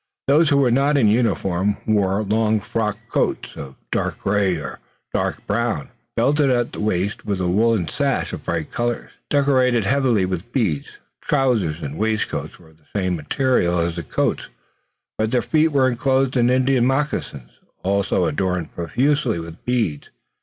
Those who were not in uniform wore long frock coats of dark gray or dark brown, belted at the waist with a woolen sash of bright colors, decorated heavily with beads. Trousers and waistcoats were of the same material as the coats, but their feet were inclosed in Indian moccasins, also adorned profusely with beads.